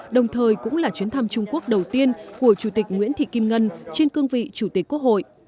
đồng thời cũng là chuyến thăm trung quốc đầu tiên của chủ tịch nguyễn thị kim ngân trên cương vị chủ tịch quốc hội